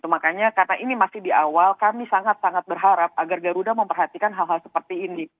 makanya karena ini masih di awal kami sangat sangat berharap agar garuda memperhatikan hal hal seperti ini